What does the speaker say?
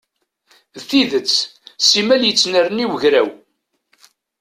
D tidet, s imal yettnerni wegraw.